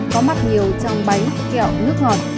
có mắc nhiều trong bánh kẹo nước ngọt